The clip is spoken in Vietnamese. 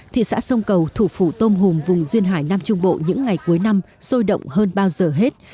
thị xã sông cầu thủ phủ tôm hùm vùng duyên hải nam trung bộ những ngày cuối năm sôi động hơn bao giờ hết